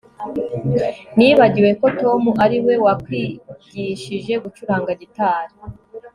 Nibagiwe ko Tom ari we wakwigishije gucuranga gitari